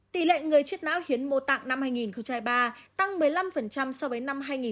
tỷ lệ người chết náo hiến mô tạng năm hai nghìn ba tăng một mươi năm so với năm hai nghìn hai